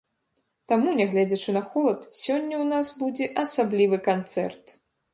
Таму, нягледзячы на холад, сёння ў нас будзе асаблівы канцэрт!